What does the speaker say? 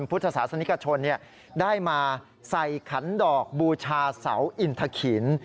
พุทธศาสนิกชนได้มาใส่ขันดอกบูชาเสาอินทะขิน